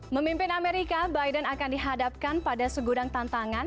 memimpin amerika biden akan dihadapkan pada segudang tantangan